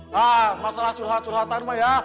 nah masalah curhat curhatan mah ya